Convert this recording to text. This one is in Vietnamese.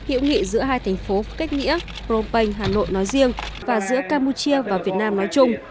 hữu nghị giữa hai thành phố kết nghĩa phnom penh hà nội nói riêng và giữa campuchia và việt nam nói chung